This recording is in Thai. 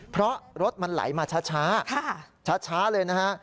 เพราะรถมันไหลมาช้าช้าเลยนะฮะ